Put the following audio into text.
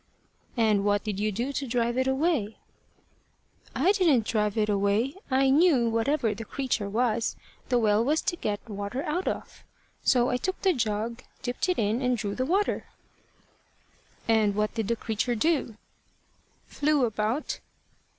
"And what did you do to drive it away?" "I didn't drive it away. I knew, whatever the creature was, the well was to get water out of. So I took the jug, dipped it in, and drew the water." "And what did the creature do?" "Flew about."